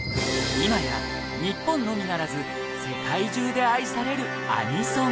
今や日本のみならず世界中で愛されるアニソン